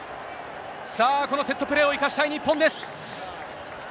さあ、このセットプレーを生かしたい日本です。